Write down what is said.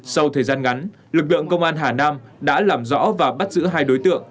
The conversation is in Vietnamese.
sau thời gian ngắn lực lượng công an hà nam đã làm rõ và bắt giữ hai đối tượng